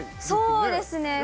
そうですね。